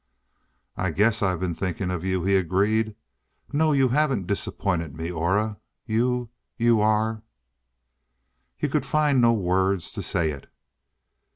"I guess I have been thinking of you," he agreed. "No, you haven't disappointed me, Aura. You you are " He could find no words to say it.